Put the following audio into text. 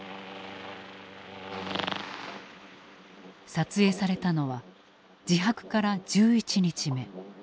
撮影されたのは自白から１１日目。